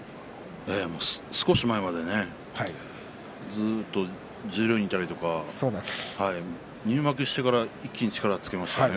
少し前までねずっと十両にいたりとか入幕してから一気に力をつけましたね